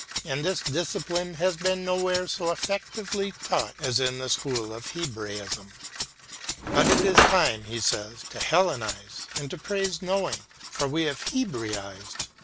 And this discipline has been nowhere so effectively taught as in the school of Hebraism. But it is time, he says, to Hellenise and to praise knowing, for we have Hebraised too much •" Sweetness and Light."